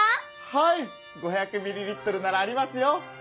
はい５００ｍＬならありますよ。